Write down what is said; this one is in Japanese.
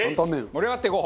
盛り上がっていこう！